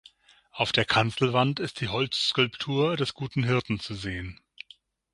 Auf der Kanzelwand ist die Holzskulptur des Guten Hirten zu sehen.